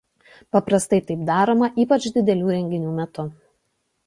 Paprastai taip daroma ypač didelių renginių metu.